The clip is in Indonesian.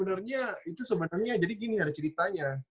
sebenarnya itu sebenarnya jadi gini ada ceritanya